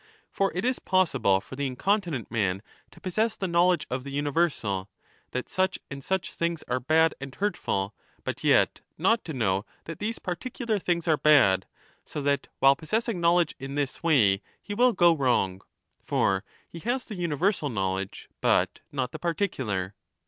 For it is possible for the incontinent man to possess 35 the knowledge of the universal, that such and such things are bad and hurtful, but yet not to know that these par ticular things are bad, so that while possessing knowledge in this way he will go wrong; for he has the universal knowledge, but not the particular.